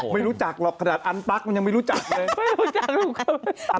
ไม่รู้จักหรอกขนาดอันปลั๊กมันยังไม่รู้จักเลยไม่รู้จัก